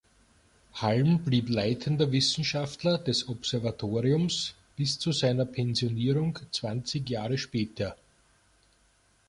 Halm blieb leitender Wissenschaftler des Observatoriums bis zu seiner Pensionierung zwanzig Jahre später.